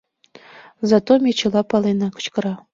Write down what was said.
«Зато ме чыла палена», — кычкыра.